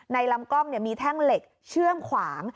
ลำกล้องมีแท่งเหล็กเชื่อมขวาง